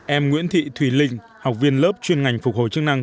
em nguyễn thị thùy linh học viên lớp chuyên ngành phục hồi chức năng